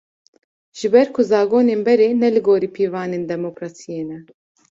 Ji ber ku zagonên berê, ne li gorî pîvanên demokrasiyê ne